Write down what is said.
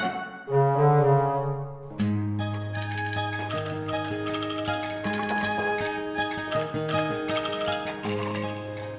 gak jaga rambut